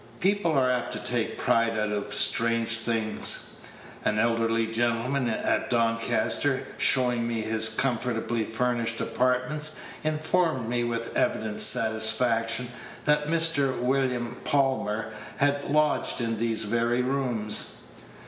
People are apt to take pride out of strange things. An elderly gentleman at Doncaster, showing me his comfortably furnished apartments, informed me, with evident satisfaction, that Mr. William Palmer had lodged in those very rooms.